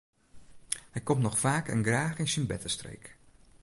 Hy komt noch faak en graach yn syn bertestreek.